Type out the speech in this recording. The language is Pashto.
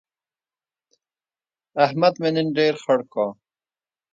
احمد مې نن ډېر خړ کړ.